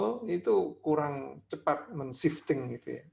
oleh karena itu mal itu kurang cepat men shifting